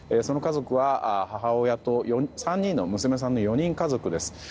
その家族は母親と３人の娘さんの４人家族です。